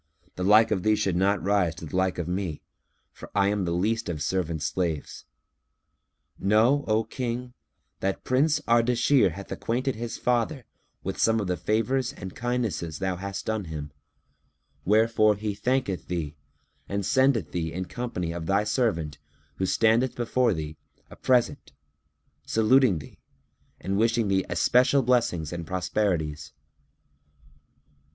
The like of thee should not rise to the like of me, for I am the least of servants' slaves. Know, O King, that Prince Ardashir hath acquainted his father with some of the favours and kindnesses thou hast done him, wherefore he thanketh thee and sendeth thee in company of thy servant who standeth before thee, a present, saluting thee and wishing thee especial blessings and prosperities."